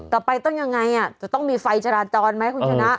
ต่อไปต้องมีไฟจราจรไหมคุณจนะ